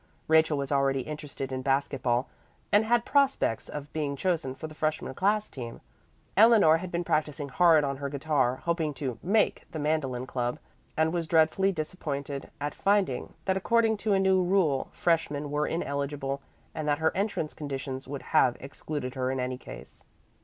Rachel was already interested in basket ball and had prospects of being chosen for the freshman class team. Eleanor had been practicing hard on her guitar, hoping to "make" the mandolin club; and was dreadfully disappointed at finding that according to a new rule freshmen were ineligible and that her entrance conditions would have excluded her in any case.